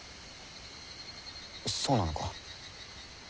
そうなのか？